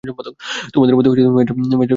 তোমাদের মধ্যে Major Franklin কে?